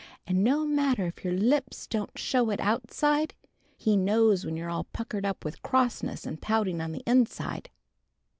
And no matter if your lips don't show it outside, he knows when you're all puckered up with crossness and pouting on the inside!